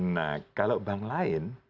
nah kalau bank lain kan banyak